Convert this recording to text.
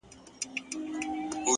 ښه نیت ښه پایله راوړي,